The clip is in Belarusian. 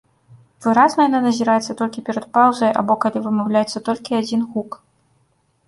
Выразна яна назіраецца толькі перад паўзай або калі вымаўляецца толькі адзін гук.